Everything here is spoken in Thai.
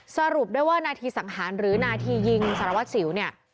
สรุปด้วยว่านาทีสังหารหรือนาทียิงสารวัสสิวเนี่ย